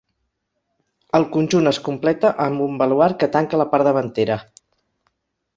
El conjunt es completa amb un baluard que tanca la part davantera.